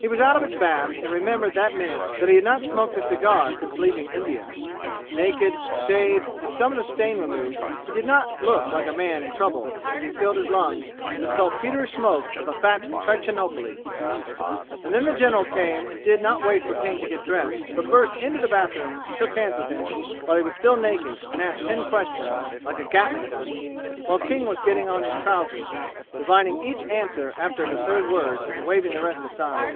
He was out of his bath and remembered that minute that he had not smoked a cigar since leaving India. Naked, shaved, with some of the stain removed, he did not look like a man in trouble as he filled his lungs with the saltpeterish smoke of a fat Trichinopoli. And then the general came and did not wait for King to get dressed but burst into the bathroom and shook hands with him while he was still naked and asked ten questions (like a gatling gun) while King was getting on his trousers, divining each answer after the third word and waving the rest aside.